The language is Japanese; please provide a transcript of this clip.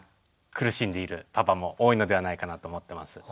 苦しんでいるパパも多いのではないかなと思ってます。